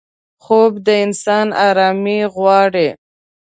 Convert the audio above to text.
خوب د انسان آرامي غواړي